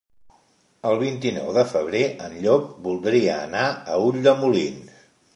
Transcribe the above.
El vint-i-nou de febrer en Llop voldria anar a Ulldemolins.